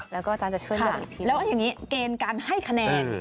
แล้วอย่างนี้เกณฑ์การให้คะแนน